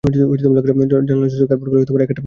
জানালা ছুতে কার্পেটগুলো একাট্টা করার চেষ্টা করেছো?